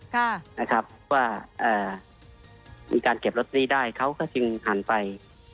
ค่ะนะครับว่าเอ่อมีการเก็บลอตเตอรี่ได้เขาก็จึงหันไป